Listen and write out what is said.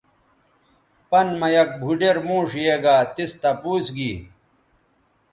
پَن مہ یک بُھوڈیر موݜ یے گا تِس تپوس گی